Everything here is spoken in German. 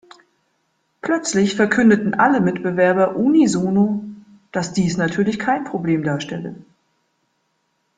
Plötzlich verkündeten alle Mitbewerber unisono, dass dies natürlich kein Problem darstelle.